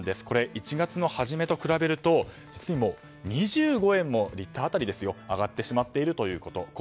これ、１月の初めと比べると実に２５円もリッター当たり上がってしまっているということ。